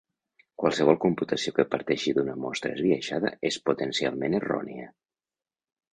Qualsevol computació que parteixi d'una mostra esbiaixada és potencialment errònia.